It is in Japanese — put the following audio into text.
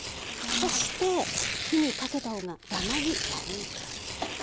そして火にかけた方がダマになりにくい。